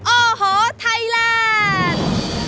โอ้โหไทยแลนด์